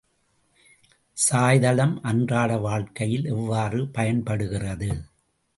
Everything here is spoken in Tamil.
சாய்தளம் அன்றாட வாழ்க்கையில் எவ்வாறு பயன் படுகிறது?